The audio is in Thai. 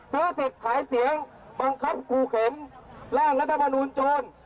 ซื้อศิษย์ขายเสียงบังคับคู่เข็มร่างรัฐบาลอูนโจร